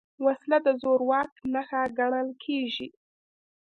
وسله د زور واک نښه ګڼل کېږي